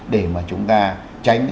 để mà chúng ta tránh